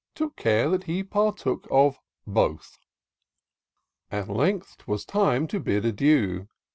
Took care that he partook of both. At length 'twas time to bid adieu.